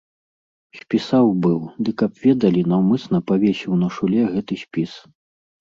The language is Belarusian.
Спісаў быў, ды каб ведалі, наўмысна павесіў на шуле гэты спіс.